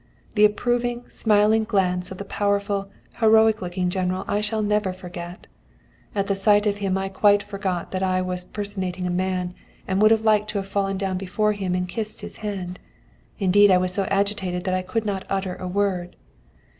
"The approving, smiling glance of the powerful, heroic looking General I shall never forget. At the sight of him I quite forgot that I was personating a man, and would have liked to have fallen down before him and kissed his hand. Indeed, I was so agitated that I could not utter a word.